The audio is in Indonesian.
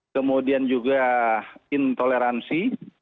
kemudian juga intoleransi